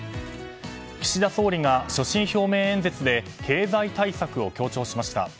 岸田総理が所信表明演説で経済対策を強調しました。